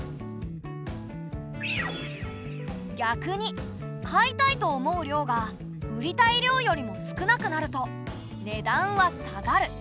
逆に買いたいと思う量が売りたい量よりも少なくなると値段は下がる。